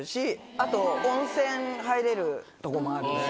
あと温泉入れるとこもあるし。